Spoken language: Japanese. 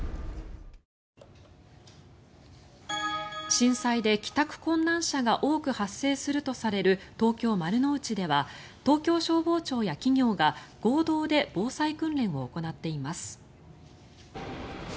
震災で帰宅困難者が多く発生するとされる東京・丸の内では東京消防庁や企業が合同で防災訓練を行っています。